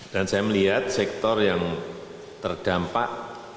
dan saya melihat sektor yang terdampak